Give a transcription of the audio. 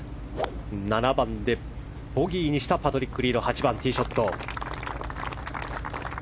７番でボギーにしたパトリック・リード８番、ティーショット。